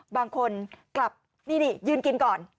บางคนกลับนี่ยืนกินก่อน